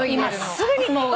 今すぐにもう。